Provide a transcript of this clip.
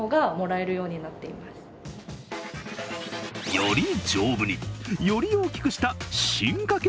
より丈夫に、より大きくした進化系